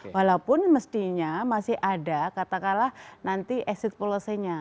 walaupun mestinya masih ada katakanlah nanti exit policy nya